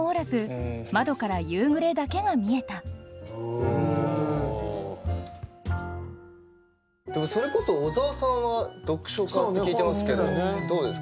でもそれこそ小沢さんは読書家って聞いてますけどどうですか？